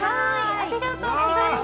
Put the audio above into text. ありがとうございます。